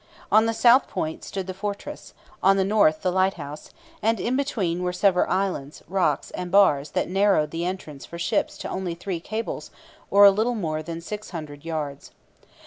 On the south point stood the fortress; on the north the lighthouse; and between were several islands, rocks, and bars that narrowed the entrance for ships to only three cables, or a little more than six hundred yards.